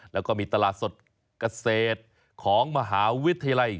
แล้วก็มีตลาดสดเกษตรของมหาวิทยาลัย